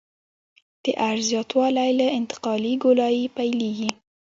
د عرض زیاتوالی له انتقالي ګولایي پیلیږي